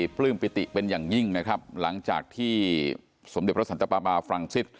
ปลื้มปิติเป็นอย่างยิ่งนะครับหลังจากที่สมเด็จพระสันตปามาฝรั่งซิส